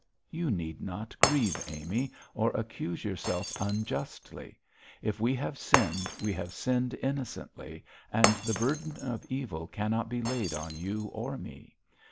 You need not grieve, Amy, or accuse yourself unjustly. If we have sinned, we have sinned innocently, and the burden of evil cannot be laid on you or me.